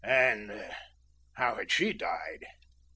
"And how had she died?"